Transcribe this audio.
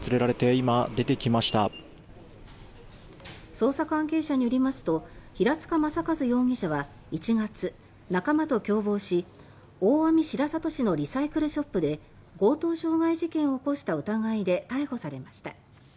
捜査関係者によりますと平塚雅一容疑者は１月仲間と共謀し、大網白里市のリサイクルショップで強盗傷害事件を起こした疑いで逮捕されました。